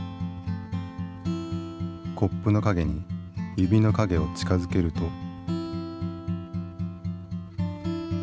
コップの影に指の影を近づけると。